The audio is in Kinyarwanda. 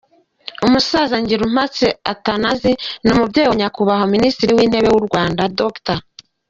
Umusaza Ngirumpatse Athanase ni umubyeyi wa Nyakubahwa Ministre w’intebe w’u Rwanda Dr.